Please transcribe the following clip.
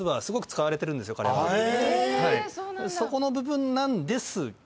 そこの部分なんですが。